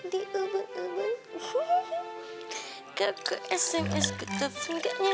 silakan ya harapannya